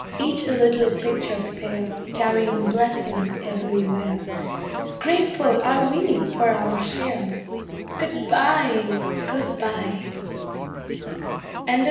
Each a little picture fair, Carrying blessing everywhere. Grateful are we for our share Good bye! Good bye! 'CHILLA.